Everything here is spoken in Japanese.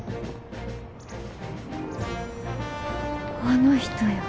あの人や。